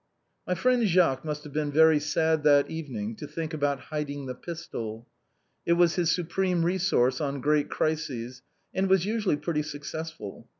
My friend Jacques must have been very sad that evening to think about hiding the pistol. It was his supreme re source on great crises, and was usually pretty successful.